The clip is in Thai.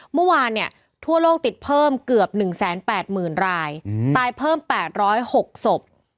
เมื่อวานเนี่ยทั่วโลกติดเพิ่มเกือบ๑๘๐๐๐รายตายเพิ่ม๘๐๖ศพ